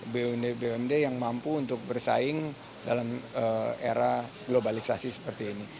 bumd bumd yang mampu untuk bersaing dalam era globalisasi seperti ini